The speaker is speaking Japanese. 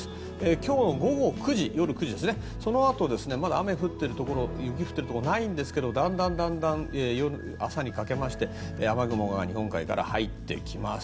今日午後９時そのあとまだ雨が降っているところ雪が降ってるところはないんですがだんだん朝にかけまして雨雲が日本海から入ってきます。